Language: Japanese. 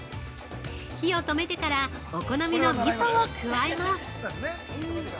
火を止めてからお好みのみそを加えます。